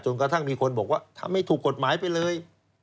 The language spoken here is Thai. กระทั่งมีคนบอกว่าทำให้ถูกกฎหมายไปเลย